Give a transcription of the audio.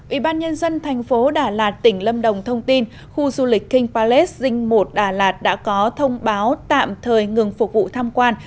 ủy ban nhân dân thành phố đà lạt tỉnh lâm đồng thông tin khu du lịch king palace dinh một đà lạt đã có thông báo tạm thời ngừng phục vụ tham quan